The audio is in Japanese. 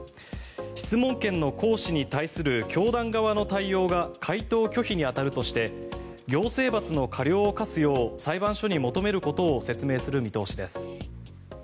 質問権の行使に対する教団側の対応が回答拒否に当たるとして行政罰の過料を科すよう裁判所に求めることを説明する見通しです。